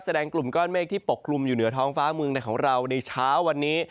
กลุ่มก้อนเมฆที่ปกคลุมอยู่เหนือท้องฟ้าเมืองในของเราในเช้าวันนี้